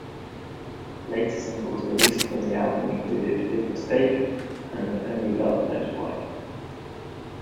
Later singles released from the album included "Big Mistake" and "Only Love Knows Why".